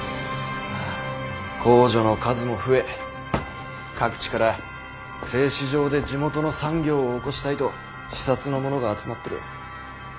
工女の数も増え各地から製糸場で地元の産業を興したいと視察の者が集まってる。